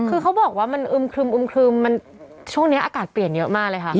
คือเขาบอกว่ามันอึมครึมครึมมันช่วงนี้อากาศเปลี่ยนเยอะมากเลยค่ะ